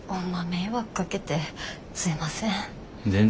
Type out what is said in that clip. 迷惑かけてすいません。